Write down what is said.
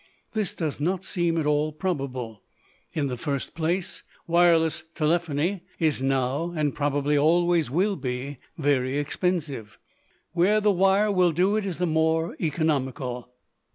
This does not seem at all probable. In the first place, wireless telephony is now, and probably always will be, very expensive. Where the wire will do it is the more economical.